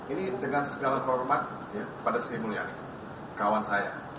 ini dengan segala hormat pada sri mulyani kawan saya